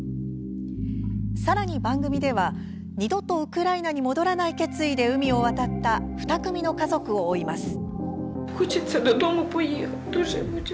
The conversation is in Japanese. さらに番組では、二度とウクライナに戻らない決意で海を渡った２組の家族を追います。